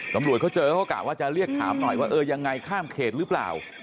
ตำรวจเขาเจอเขาก็กะว่าจะเรียกถามหน่อยว่าเออยังไงข้ามเขตหรือเปล่า